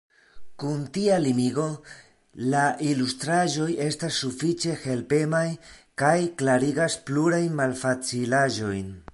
Kun tia limigo, la ilustraĵoj estas sufiĉe helpemaj kaj klarigas plurajn malfacilaĵojn.